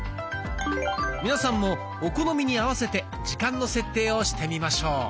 皆さんもお好みに合わせて時間の設定をしてみましょう。